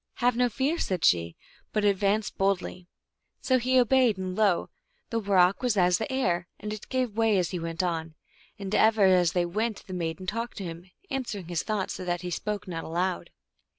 " Have no fear," said she, " but advance bold ly !" So he obeyed, and lo ! the rock was as the air, and it gave way as he went on. And ever as they went the maiden talked to him, answering his thoughts, so that he spoke not aloud.